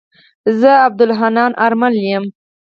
زه عبدالحنان آرمل يم.